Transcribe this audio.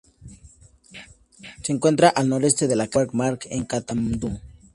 Se encuentra al noreste de la calle Durbar Marg, en Katmandú.